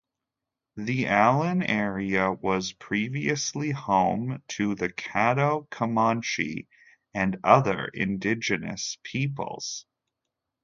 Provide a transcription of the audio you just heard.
The Allen area was previously home to the Caddo, Comanche, and other indigenous peoples.